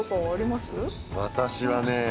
私はね。